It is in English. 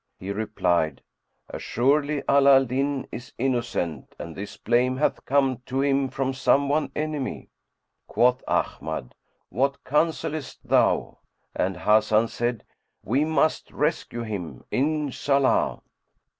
He replied, "Assuredly Ala al Din is innocent and this blame hath come to him from some one enemy."[FN#101] Quoth Ahmad, "What counsellest thou?" and Hasan said, "We must rescue him, Inshallah!"